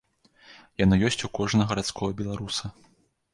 Яно ёсць у кожнага гарадскога беларуса.